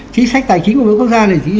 chính sách tài chính của mỗi quốc gia này chị